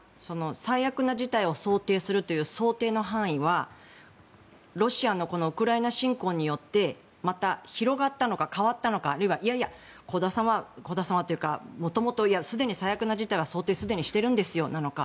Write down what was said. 最悪な事態を想定するという想定の範囲はロシアのウクライナ侵攻によってまた、広がったのか変わったのかあるいはいやいや、香田さんはというかもともと、すでに最悪の事態は想定というのはすでにしているんですよなのか